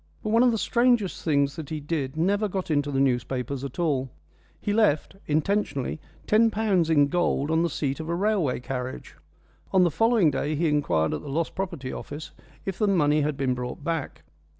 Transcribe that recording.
But one of the strangest things that he did never got into the newspapers at all. He left, intentionally, ten pounds in gold on the seat of a railway carriage. On the following day he inquired at the Lost Property Office if the money had been brought back.